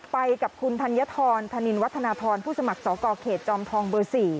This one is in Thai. ไปกับคุณธัญฑรธนินวัฒนทรผู้สมัครสกเขตจอมทองเบอร์๔